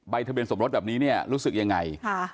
ใบทะเบิดสมรสแบบนี้รู้สึกยังไง